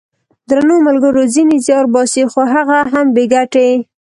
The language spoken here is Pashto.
درنو ملګرو ! ځینې زیار باسي خو هغه هم بې ګټې!